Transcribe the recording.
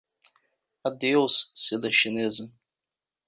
Adeus seda chinesa!